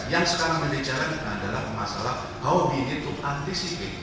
yang sekarang berdicara adalah masalah how we need to anticipate